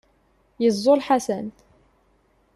Yeẓẓul Ḥasan.